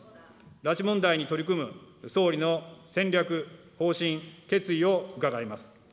拉致問題に取り組む総理の戦略、方針、決意を伺います。